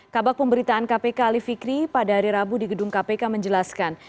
kabak pemberitaan kpk alif fikri pada hari rabu di gedung kpk menjelaskan